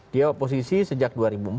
dia oposisi sejak dua ribu empat